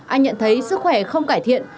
anh nhận thấy sức khỏe không cải thiện